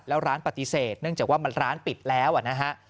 แล้วร้านปฏิเสธเนื่องจากว่ามันร้านปิดแล้วนะฮะ